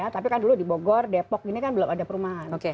tapi kan dulu di bogor depok ini kan belum ada perumahan